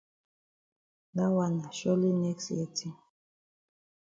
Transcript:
Dat wan na surely next year tin.